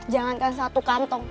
jangankan satu kantong